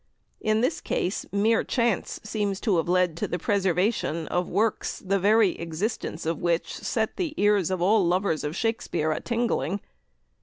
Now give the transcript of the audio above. In this case mere chance seems to have led to the preservation of works, the very existence of which set the ears of all lovers of Shakespeare a tingling.